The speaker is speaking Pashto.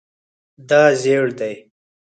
دا زیړ دی